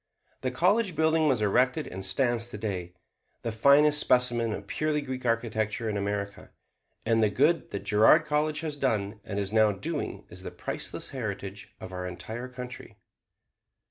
The college building was erected and stands today, the finest specimen of purely Greek architecture in America; and the good that Girard College has done and is now doing is the priceless heritage of our entire country.